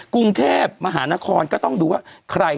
กรุงเทพมหานครก็ต้องดูว่าใคร